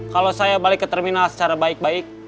kalau saya balik ke terminal secara baik baik